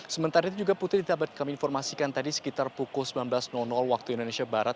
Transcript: sementara itu juga putri kita berinformasikan tadi sekitar pukul sembilan belas waktu indonesia barat